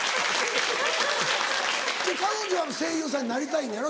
彼女は声優さんになりたいのやろ？